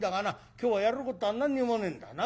今日はやることは何にもねえんだ。なあ。